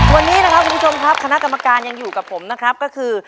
วันนี้นะครับคุณผู้ชมครับคณะกรรมการยังอยู่กับผมนะครับก็คือ